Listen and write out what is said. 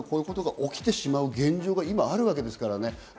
日本でもこういうことが起きてしまう現状が今あるわけですからね。